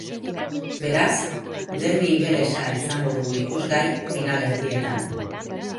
Beraz, derbi ingelesa izango dugu ikusgai finalerdietan.